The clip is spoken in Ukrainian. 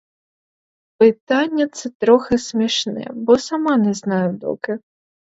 Питання це трохи смішне, бо сама не знаю доки.